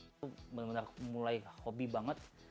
itu benar benar mulai hobi banget